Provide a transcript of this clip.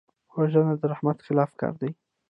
وژنه د رحمت خلاف کار دی